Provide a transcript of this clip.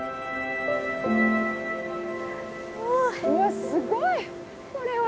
うわすごいこれは。